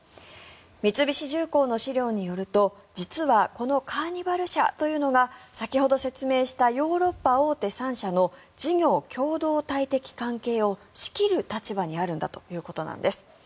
三菱重工の資料によると実はこのカーニバル社というのが先ほど説明したヨーロッパ大手３社の事業共同体的関係を仕切る立場にあるんだということなんです。